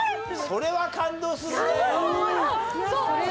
それは感動するね。